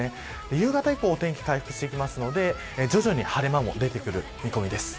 夕方以降、お天気回復してくるので、徐々に晴れ間も出てくる見込みです。